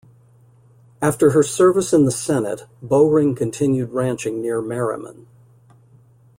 After her service in the Senate, Bowring continued ranching near Merriman.